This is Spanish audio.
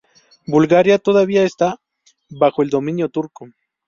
Bulgaria todavía está bajo el dominio turco".